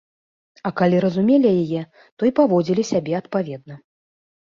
А калі разумелі яе, то і паводзілі сябе адпаведна.